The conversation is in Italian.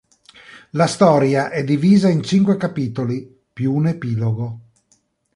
La storia è divisa in cinque capitoli, più un epilogo.